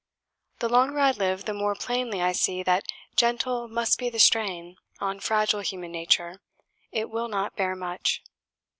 The longer I live, the more plainly I see that gentle must be the strain on fragile human nature; it will not bear much."